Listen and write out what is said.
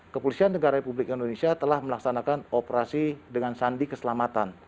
kepolisian negara republik indonesia telah melaksanakan operasi dengan sandi keselamatan